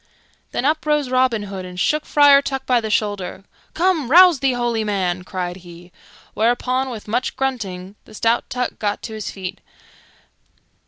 Then up rose Robin Hood and shook Friar Tuck by the shoulder. "Come, rouse thee, holy man!" cried he; whereupon, with much grunting, the stout Tuck got to his feet.